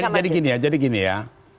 bisa dong jadi gini ya